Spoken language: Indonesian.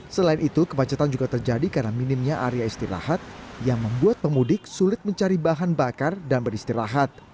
selain itu kemacetan juga terjadi karena minimnya area istirahat yang membuat pemudik sulit mencari bahan bakar dan beristirahat